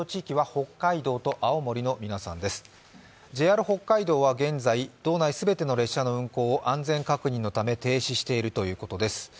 ＪＲ北海道は現在、道内全ての列車の運行を安全確認のため停止しているということです。